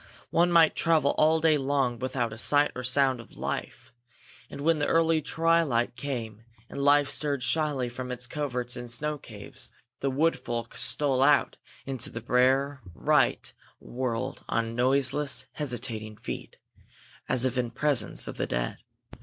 One might travel all day long without a sight or sound of life; and when the early twilight came and life stirred shyly from its coverts and snow caves, the Wood Folk stole out into the bare white world on noiseless, hesitating feet, as if in presence of the dead.